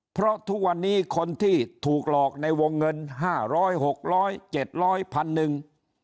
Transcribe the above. เพราะทุกวันนี้คนที่ถูกหลอกในวงเงิน๕๐๐๖๐๐๗๐๐พันหนึ่ง